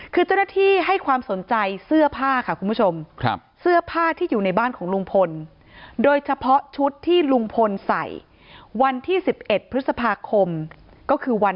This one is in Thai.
คือเจ้าหน้าที่ให้ความสนใจเสื้อผ้าค่ะคุณผู้ชมครับ